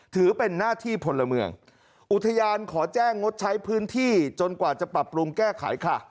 ถือเป็นหน้าที่พลเมืองอุทยานขอแจ้งงดใช้พื้นที่จนกว่าจะปรับปรุงแก้ไขค่ะ